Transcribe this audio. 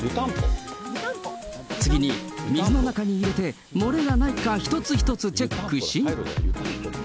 次に、水の中に入れて、漏れがないか一つ一つチェックし。